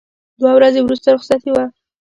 دوه ورځې وروسته رخصتي وه.